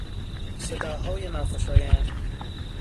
صداهای ناخوشایند